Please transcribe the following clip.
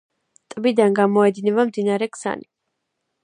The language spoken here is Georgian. ტბიდან გამოედინება მდინარე ქსანი.